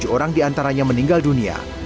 tujuh orang diantaranya meninggal dunia